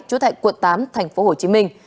chủ tại quận tám tp hcm